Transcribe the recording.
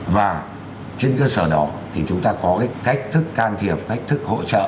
và trên cơ sở đó thì chúng ta có cách thức can thiệp cách thức hỗ trợ